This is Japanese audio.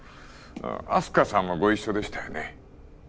明日香さんもご一緒でしたよね？